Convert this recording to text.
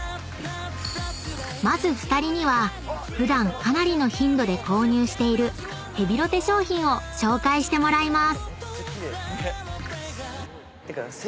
［まず２人には普段かなりの頻度で購入しているヘビロテ商品を紹介してもらいます］